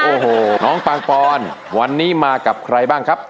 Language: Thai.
โอ้โหน้องปังปอนวันนี้มากับใครบ้างครับ